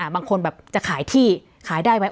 บางคนแบบจะขายที่ขายได้ไหม